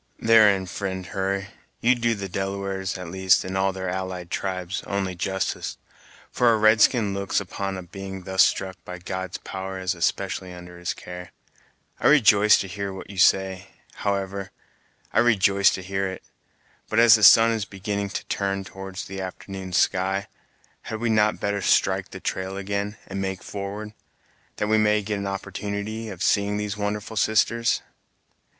"Therein, fri'nd Hurry, you do the Delawares, at least, and all their allied tribes, only justice, for a red skin looks upon a being thus struck by God's power as especially under his care. I rejoice to hear what you say, however, I rejoice to hear it; but as the sun is beginning to turn towards the afternoon's sky, had we not better strike the trail again, and make forward, that we may get an opportunity of seeing these wonderful sisters?"